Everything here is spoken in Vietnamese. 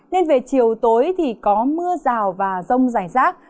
nên về chiều tối thì có mưa rào và rông rải rác